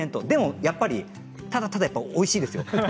でもやっぱりただただおいしいです。